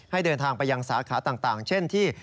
เดินทางไปยังสาขาต่างเช่นที่